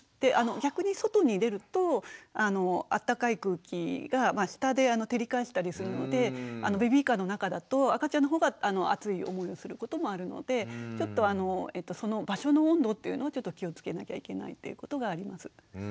逆に外に出るとあったかい空気が下で照り返したりするのでベビーカーの中だと赤ちゃんの方が暑い思いをすることもあるのでちょっとその場所の温度っていうのを気をつけなきゃいけないっていうことがあります。